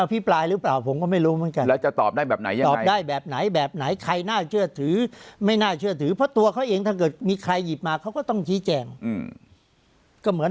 เอาอภิปรายหรือเปล่าผมก็ไม่รู้เหมือนกัน